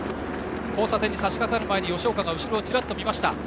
交差点にさしかかる前に吉岡が後ろを見ました。